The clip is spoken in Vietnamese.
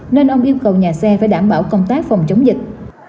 nên ông yêu cầu nhà xe phải đảm bảo công tác phòng chống dịch